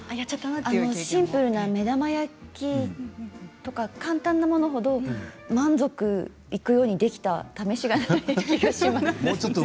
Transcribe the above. シンプルな目玉焼きとか簡単なものほど満足いくようにできたためしがない気がします。